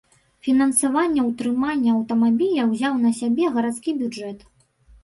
Фінансаванне ўтрымання аўтамабіля ўзяў на сябе гарадскі бюджэт.